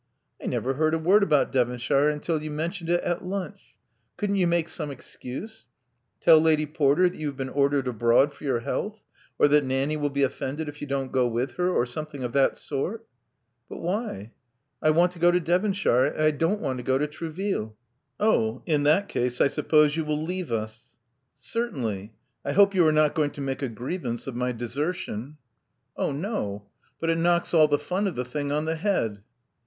"* 'I never heard a word about Devonshire until you mentioned it at lunch. Couldn't you make some excuse — tell Lady Porter that you have been ordered abroad for your health, or that Nanny will be offended if you don't go with her, or something of that sort?" But why? I want to go to Devonshire and I don't want to go to Trouville." Oh! In that case I suppose you will leave us." ''Certainly. I hope you are not going to make a grievance of my desertion." 288 Love Among the Artists *'Oh no. But it knocks all the fun of the thing on the head."